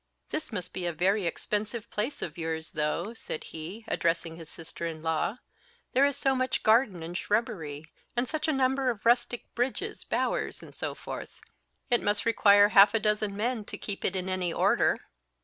"This must be a very expensive place of yours, though," said he, addressing his sister in law; "there is so much garden and shrubbery, and such a number of rustic bridges, bowers, and so forth: it must require half a dozen men to keep it in any order."